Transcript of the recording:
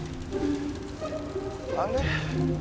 あれ？